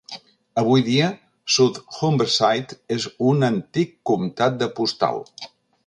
Avui dia, South Humberside és un "antic comtat de postal".